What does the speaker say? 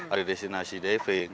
ada destinasi diving